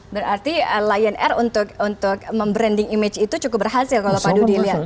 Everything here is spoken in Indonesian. berarti lion air untuk membranding image itu cukup berhasil kalau padu dilihat